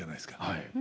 はい。